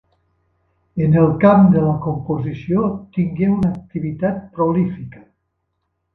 En el camp de la composició tingué una activitat prolífica.